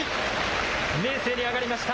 明生に上がりました。